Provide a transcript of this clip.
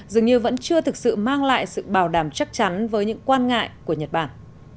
dường như vẫn chưa thực sự mang lại sự bảo đảm chắc chắn với những quan ngại của nhật bản